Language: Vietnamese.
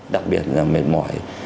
đặc biệt là mệt mỏi